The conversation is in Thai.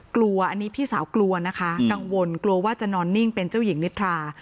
กลัวอันนี้พี่สาวกลัวนะคะกังวลกลัวว่าจะนอนนิ่งเป็นเจ้าหญิงนิทรา